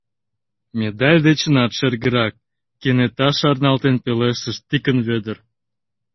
Медаль дечынат шергырак! — кенета шарналтен пелештыш Тикын Вӧдыр.